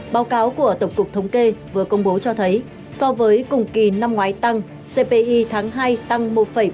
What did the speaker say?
báo cáo của tổng cục thống kê vừa công bố cho thấy so với cùng kỳ năm ngoái tăng cpi tháng hai tăng một bảy mươi